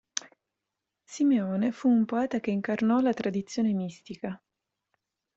Simeone fu un poeta che incarnò la tradizione mistica.